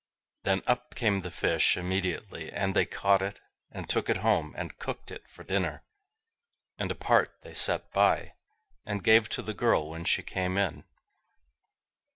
Then up came the fish immediately, and they caught it, and took it home, and cooked it for dinner—and a part they set by, and gave to the girl when she came in.